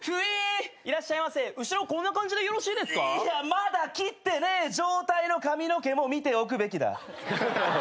まだ切ってねえ状態の髪の毛も見ておくべきだ。